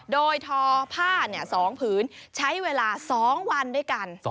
โดยทอผ้า๒ผืนใช้เวลา๒วันด้วยกัน